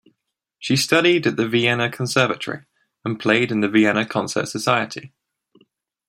She studied at the Vienna Conservatory and played in the Vienna Concert Society.